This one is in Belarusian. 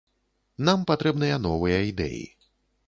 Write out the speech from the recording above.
Нам патрэбныя новыя ідэі.